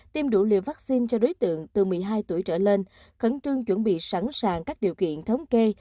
tiêm đủ liều vaccine cho đối tượng từ một mươi hai tuổi trở lên khẩn trương chuẩn bị sẵn sàng các điều kiện thống kê